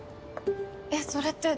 えっそれって。